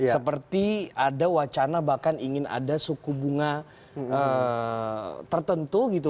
seperti ada wacana bahkan ingin ada suku bunga tertentu gitu